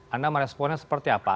anda meresponnya seperti apa